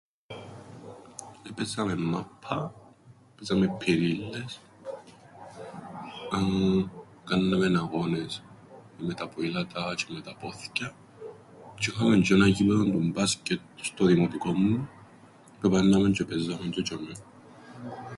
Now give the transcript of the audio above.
Επαίζαμεν μάππαν, επαίζαμεν ππιρίλλες, εεε... εκάμναμεν αγώνες με τα ποήλατα τζ̆αι με τα πόθκια, τζ̆ι είχαμεν τζ̆ι έναν γήπεδον του μπάσκετ στο δημοτικόν μου, που επααίνναμεν τζ̆ι επαίζαμεν τζ̆αι τζ̆ειαμαί.